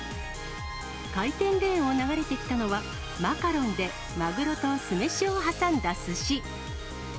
回転レーンを流れてきたのは、マカロンでマグロと酢飯を挟んだすし。